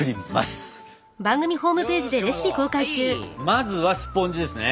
まずはスポンジですね。